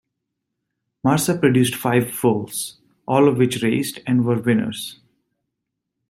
Marsa produced five foals, all of which raced and were winners.